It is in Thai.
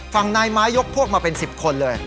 ฝั่งนายไม้ยกพวกมาเป็น๑๐คนเลย